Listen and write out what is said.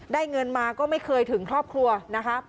เงินมาก็ไม่เคยถึงครอบครัวนะคะ